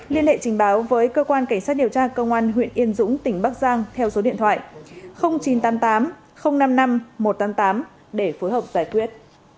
liên hệ trình báo với cơ quan cảnh sát điều tra công an huyện yên dũng tỉnh bắc giang theo số điện thoại chín trăm tám mươi tám năm mươi năm một trăm tám mươi tám để phối hợp giải quyết